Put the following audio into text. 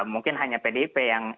mungkin hanya pdip yang